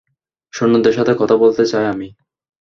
সৈন্যদের সাথে কথা বলতে চাই আমি।